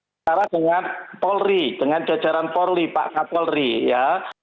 secara dengan polri dengan jajaran polri pak pak polri ya